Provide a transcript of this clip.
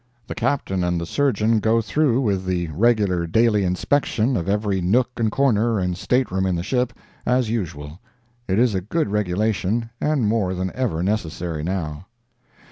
"The Captain and the Surgeon go through with the regular daily inspection of every nook and corner and stateroom in the ship, as usual. It is a good regulation, and more than ever necessary now."